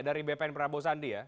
dari bpn prabowo sandi ya